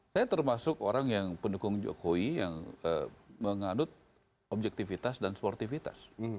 saya termasuk orang yang pendukung jokowi yang menganut objektivitas dan sportivitas